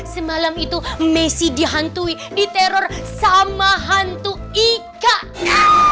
semalam itu messi dihantui diteror sama hantu ikan